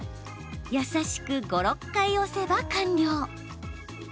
優しく５、６回押せば完了。